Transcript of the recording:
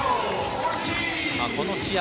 この試合